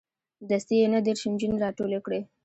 دستې یې نه دېرش نجونې راټولې کړې.